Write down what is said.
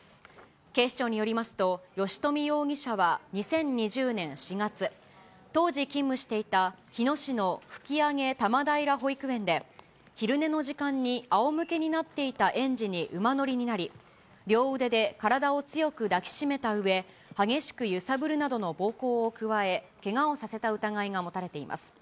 警視庁によりますと、吉冨容疑者は２０２０年４月、当時勤務していた日野市の吹上多摩平保育園で、昼寝の時間にあおむけになっていた園児に馬乗りになり、両腕で体を強く抱きしめたうえ、激しく揺さぶるなどの暴行を加え、けがをさせた疑いが持たれています。